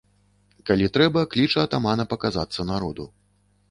Калі трэба, кліча атамана паказацца народу.